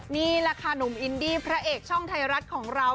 นี่แหละค่ะหนุ่มอินดี้พระเอกช่องไทยรัฐของเรา